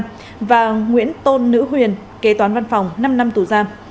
bị cáo nguyễn tôn nữ huyền kế toán văn phòng năm năm tù giam